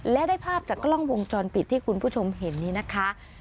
และได้ภาพจากกล้องวงจรปิดที่คุณผู้ชมเห็นนี้นะคะ